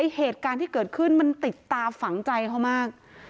เหตุการณ์ที่เกิดขึ้นมันติดตาฝังใจเขามาก